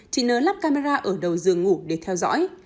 chị nớ lắp camera ở đầu giường ngủ để theo dõi